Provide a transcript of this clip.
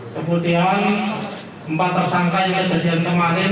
kemudian empat tersangka yang kejadian kemarin